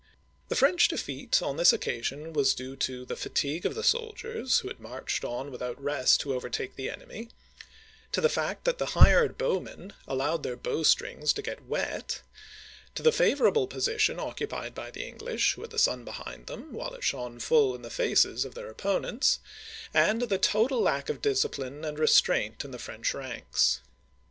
The French defeat on this occasion was due to the fatigue of the soldiers, who had marched on without rest to overtake the enemy ; to the fact that the hired bowmen allowed their bowstrings to get wet ; to the favorable position occupied by the Eng lish, who had the sun behind them, while it shone full in the faces of their opponents ; and to the total lack of disci pline and restraint in the French ranks.